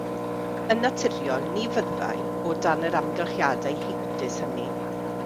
Yn naturiol ni fyddai, o dan yr amgylchiadau heintus hynny.